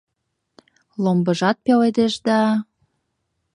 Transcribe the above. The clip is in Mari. Ломбыжат пеледеш да